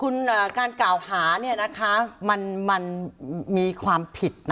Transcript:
คุณการกล่าวหาเนี่ยนะคะมันมีความผิด